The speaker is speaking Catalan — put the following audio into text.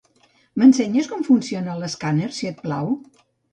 M'ensenyes com funciona l'escàner, si et plau?